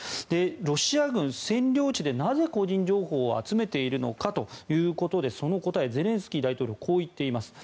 ロシア軍、占領地でなぜ個人情報を集めているのかということでその答え、ゼレンスキー大統領はこう言っています。